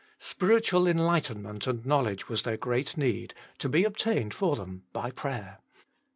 Spiritual enlightenment and knowledge was their great need, to be obtained for them by prayer.